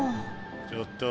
ちょっと。